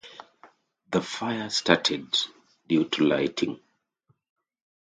The fire started due to lightning.